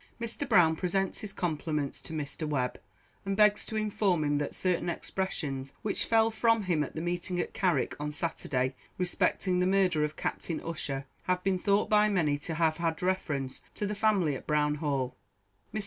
Mr. Brown presents his compliments to Mr. Webb, and begs to inform him that certain expressions which fell from him at the meeting at Carrick on Saturday respecting the murder of Captain Ussher, have been thought by many to have had reference to the family at Brown Hall. Mr.